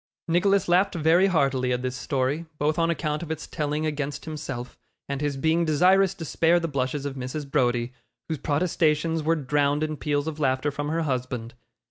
Nicholas laughed very heartily at this story, both on account of its telling against himself, and his being desirous to spare the blushes of Mrs. Browdie, whose protestations were drowned in peals of laughter from her husband.